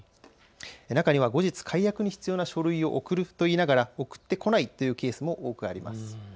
中には後日、解約に必要な書類を送ると言いながら送ってこないというケースも多くあります。